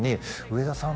上田さん